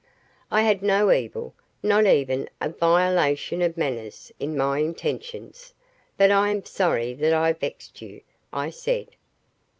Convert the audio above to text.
I had no evil not even a violation of manners in my intentions; but I am sorry that I vexed you," I said.